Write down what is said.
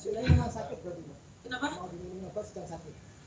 nah seolah ini enggak sakit buat mbak